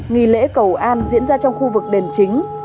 nghi lễ cầu an diễn ra trong khu vực đền chính